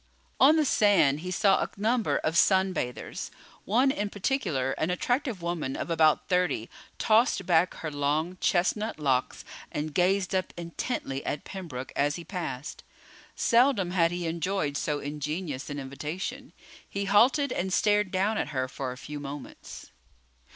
On the sand he saw a number of sun bathers. One in particular, an attractive woman of about thirty, tossed back her long, chestnut locks and gazed up intently at Pembroke as he passed. Seldom had he enjoyed so ingenuous an invitation. He halted and stared down at her for a few moments.